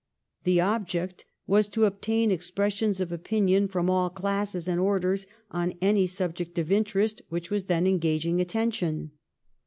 The object was to obtain expressions of opinion from all classes and orders on any subject of interest which was then engaging attention.